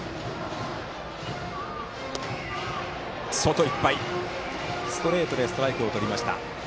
外いっぱい、ストレートでストライクをとりました。